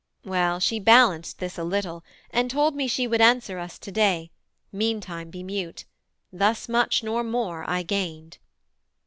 Well, she balanced this a little, And told me she would answer us today, meantime be mute: thus much, nor more I gained.'